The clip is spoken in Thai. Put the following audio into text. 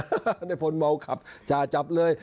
หนาผนเมาขับจาจับเลย